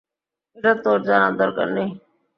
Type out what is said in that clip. এটা তোমার জানার দরকার নেই।